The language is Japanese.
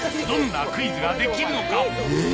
どんなクイズができるのか？